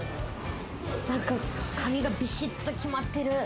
なんか髪がビシッと決まってる。